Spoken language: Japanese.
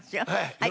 はい。